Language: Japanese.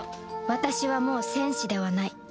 私はもう戦士ではない